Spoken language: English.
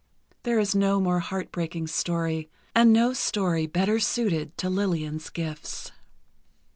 There is no more heartbreaking story, and no story better suited to Lillian's gifts.